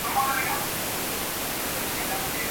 د مور لوري ته رسېږي